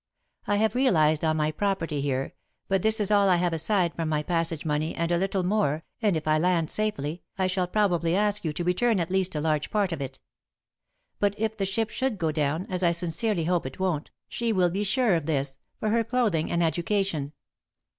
I have realised on my property here, but this is all I have aside from my passage money and a little more, and, if I land safely, I shall probably ask you to return at least a large part of it. "But, if the ship should go down, as I sincerely hope it won't, she will be sure of this, for her clothing and education.